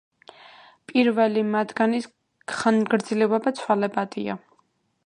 პირველი მათგანის ხანგრძლივობა ცვალებადია.